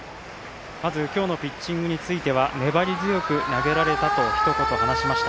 今日のピッチングについては粘り強く投げられたとひと言話しました。